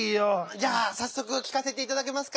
じゃあさっそくきかせていただけますか？